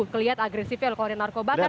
kelihat agresif ya lukauan narkoba